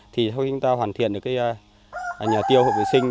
thì khi chúng ta hoàn thiện được nhà tiêu hợp vệ sinh